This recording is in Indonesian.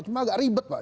cuma agak ribet pak